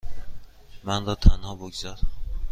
من را تنها بگذار.